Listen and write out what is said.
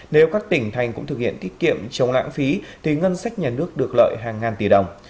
nếu các tỉnh thành cũng thực hiện tiết kiệm chống lãng phí thì ngân sách nhà nước được lợi hàng ngàn tỷ đồng